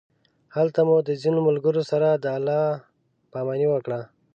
هلته مو د ځینو ملګرو سره د الله پامانۍ وکړ.